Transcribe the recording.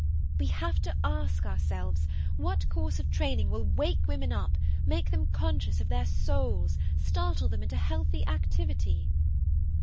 We have to ask ourselves: What course of training will wake women up, make them conscious of their souls, startle them into healthy activity?"